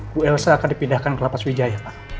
bu elsa akan dipindahkan ke lapas wijaya pak